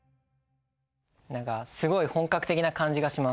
何かすごい本格的な感じがします。